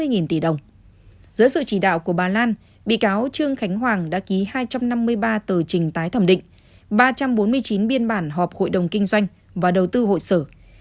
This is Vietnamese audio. dưới sự chỉ đạo của bà lan bị cáo trương khánh hoàng đã ký hai trăm năm mươi ba tờ trình tái thẩm định ba trăm bốn mươi chín biên bản họp hội đồng kinh doanh và đầu tư hội sở